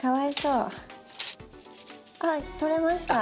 あっ取れました。